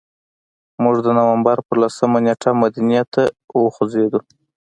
موږ د نوامبر په لسمه نېټه مدینې ته وخوځېدو.